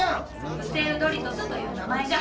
プセウドリトスという名前じゃ。